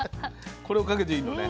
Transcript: これをかけていいのね？